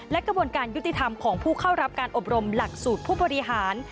และกระบวนการยุติธรรมของผู้เข้ารับการอบรมหลักสูตรผู้บริหาร